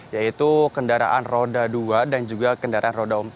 yaitu kendaraan roda dua dan juga kendaraan roda empat